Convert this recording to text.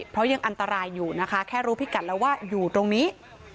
เพราะยังอันตรายอยู่นะคะแค่รู้พิกัดแล้วว่าอยู่ตรงนี้